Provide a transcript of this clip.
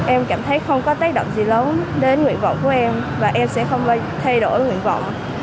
em cảm thấy không có tác động gì lớn đến nguyện vọng của em và em sẽ không có thay đổi nguyện vọng